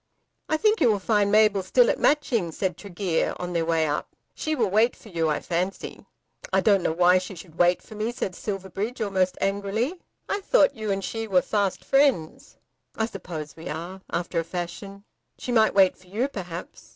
"I think you will find Mabel still at Matching," said Tregear on their way up. "She will wait for you, I fancy." "I don't know why she should wait for me," said Silverbridge almost angrily. "I thought that you and she were fast friends." "I suppose we are after a fashion. She might wait for you perhaps."